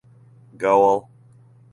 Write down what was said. Goal!